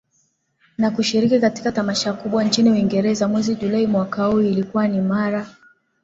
na kushiriki katika Tamasha kubwa nchini Uingereza mwezi Julai mwaka huu Ilikuwa ni mara